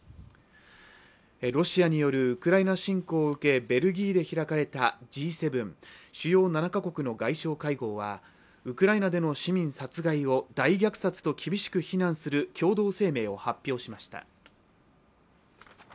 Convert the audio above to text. ロシアによるウクライナ侵攻を受け、ベルギーで開かれたＧ７＝主要７か国の外相会合はウクライナでの市民殺害を大虐殺と厳しく非難する共同声明を発表しました。